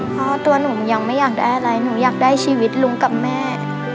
เพราะตัวหนูยังไม่อยากได้อะไรหนูอยากได้ชีวิตลุงกับแม่